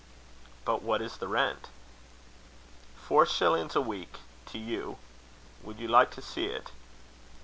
"But what is the rent?" "Four shillings a week to you. Would you like to see it?"